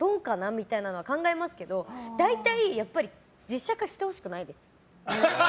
みたいなのは考えますけど大体実写化してほしくないです。